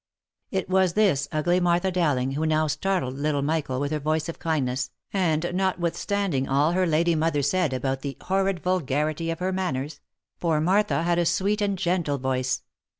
It was this ugly Martha Dowling who now startled little Michael with her voice of kindness, and, notwithstanding all her lady mother said about the " horrid vulgarity of her manners," poor Martha had a sweet and gentle voice.